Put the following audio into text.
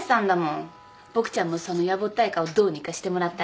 ボクちゃんもそのやぼったい顔どうにかしてもらったら？